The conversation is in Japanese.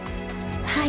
はい。